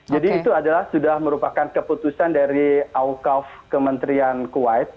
jadi itu adalah sudah merupakan keputusan dari awqaf kementerian kuwait